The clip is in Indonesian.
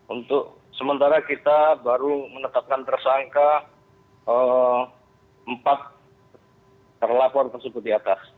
untuk sementara kita baru menetapkan tersangka empat terlapor tersebut di atas